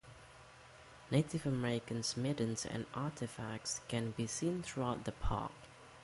Native American middens and artifacts can be seen throughout the park.